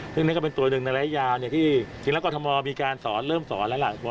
คือนักกรมมัวเริ่มสอนแล้ว